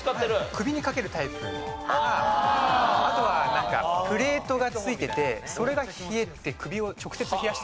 首にかけるタイプかあとはなんかプレートが付いててそれが冷えて首を直接冷やしてくれる。